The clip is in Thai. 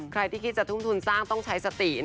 ใครที่คิดจะทุ่มทุนสร้างต้องใช้สติ